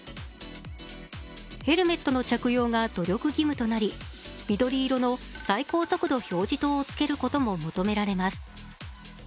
ヘルメットの着用が努力義務となり緑色の最高速度表示灯を付けることも求められます。